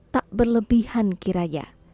tak berlebihan kiranya